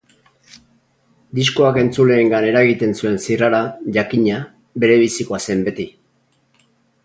Diskoak entzuleengan eragiten zuen zirrara, jakina, berebizikoa zen beti.